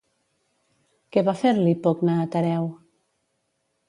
Què va fer-li Pocne a Tereu?